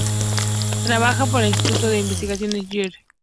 Trabaja para el Instituto de Investigaciones Dr.